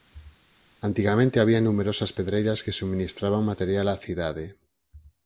Antigamente había numerosas pedreiras que subministraban material á cidade.